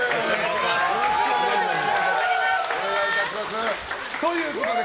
よろしくお願いします。